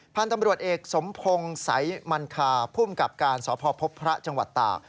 พันธุ์ตำรวจเอกสมพงศ์สายมันคาภูมิกับการสพพบพระจังหวัดตาก